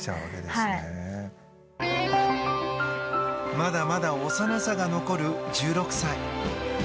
まだまだ幼さが残る１６歳。